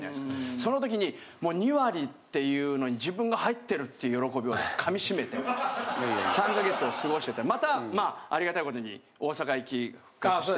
その時にもう２割っていうのに自分が入ってるっていう喜びを噛みしめて３か月を過ごしててまたまあありがたいことに大阪行き復活して。